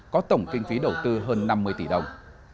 có tổng kinh phí đầu tư hơn năm mươi tỷ đồng